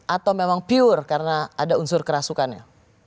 atau memang pure karena ada unsur kerasukannya